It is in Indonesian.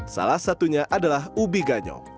salah satunya adalah ubi ganyo